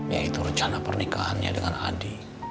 yaitu rencana pernikahannya dengan adik